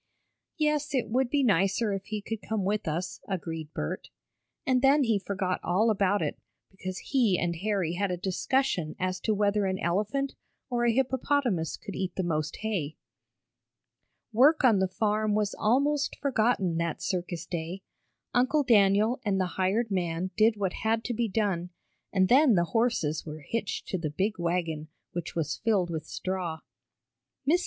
"Yes, it would be nicer if he could come with us," agreed Bert. And then he forgot all about it, because he and Harry had a discussion as to whether an elephant or a hippopotamus could eat the most hay. Work on the farm was almost forgotten that circus day. Uncle Daniel and the hired man did what had to be done, and then the horses were hitched to the big wagon, which was filled with straw. Mrs.